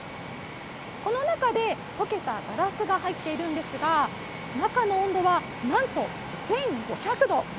この中で、溶けたガラスが入っているんですが、中の温度はなんと、１５００度。